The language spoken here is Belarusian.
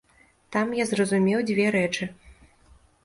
Там я зразумеў дзве рэчы.